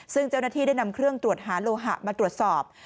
ซึ่งเจ้าหน้าที่ได้นำเครื่องตรวจหาโลหะมาตรวจสอบ